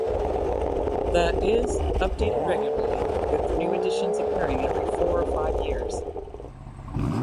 The is updated regularly with new editions appearing every four or five years.